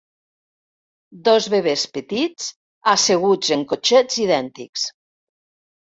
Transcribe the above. Dos bebès petits asseguts en cotxets idèntics.